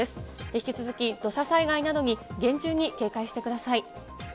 引き続き土砂災害などに厳重に警戒してください。